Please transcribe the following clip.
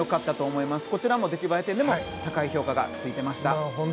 こちらも出来栄え点で高い評価がついていました。